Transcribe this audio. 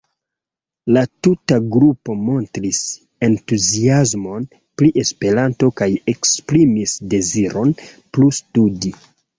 La tuta grupo montris entuziasmon pri Esperanto kaj esprimis deziron plu studi.